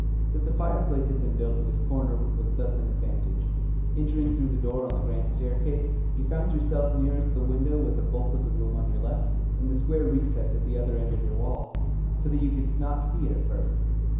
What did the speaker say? That the fireplace had been built in this corner was thus an advantage. Entering through the door on the grand staircase, you found yourself nearest the window with the bulk of the room on your left, and the square recess at the other end of your wall, so that you could not see it at first.